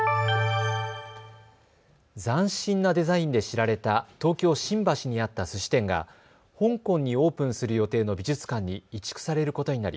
斬新なデザインで知られた東京新橋にあったすし店が香港にオープンする予定の美術館に移築されることになり